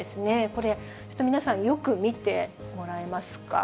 これ、ちょっと皆さん、よく見てもらえますか？